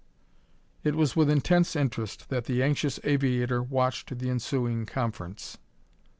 It was with intense interest that the anxious aviator watched the ensuing conference.